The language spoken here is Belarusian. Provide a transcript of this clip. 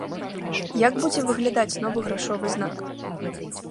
Як будзе выглядаць новы грашовы знак?